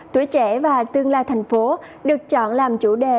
tuổi trẻ và tương lai thành phố được chọn làm chủ đề